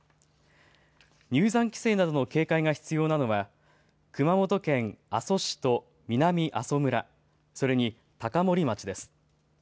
入山規制などの警戒が必要なのは熊本県阿蘇市と南阿蘇村、それに高森町です。